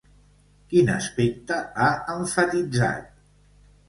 Quin aspecte ha emfatitzat?